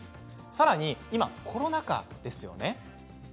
さらに今、コロナ禍ですよね。